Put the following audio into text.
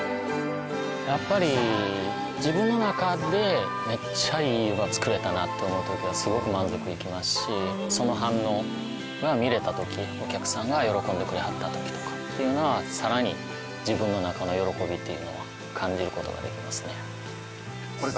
やっぱり自分の中でめっちゃいい湯葉作れたなって思う時はすごく満足いきますしその反応が見れた時お客さんが喜んでくれはった時とかっていうのはさらにこれからもはい。